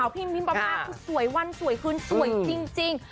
สาวพิมพิมพรรมากคุณสวยวันสวยขึ้นสวยจริง